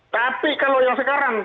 tapi kalau yang sekarang